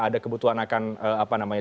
ada kebutuhan akan apa namanya